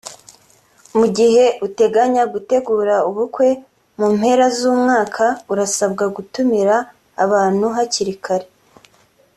Mu gihe uteganya gutegura ubukwe mu mpera z’umwaka urasabwa gutumira abantu hakiri kare